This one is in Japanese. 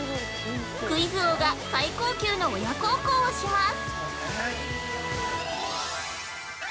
クイズ王が最高級の親孝行をします。